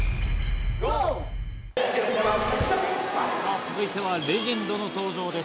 続いてはレジェンドの登場です。